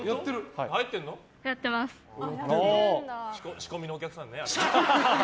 仕込みのお客さんね、あれ。